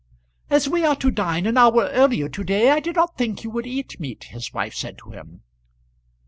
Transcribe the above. "As we are to dine an hour earlier to day I did not think you would eat meat," his wife said to him.